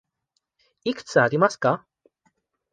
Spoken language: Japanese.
いくつありますか。